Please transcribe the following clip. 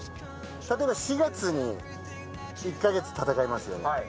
例えば４月に１か月戦いますよね。